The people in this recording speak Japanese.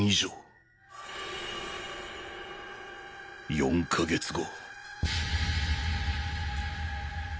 ４か月後